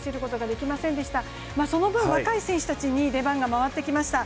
その分、若い選手たちに出番が回ってきました。